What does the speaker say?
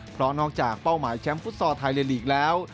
เพราะนอกจากเป้าหมายแชมป์ฟุตซอลไทยในลีกแล้ว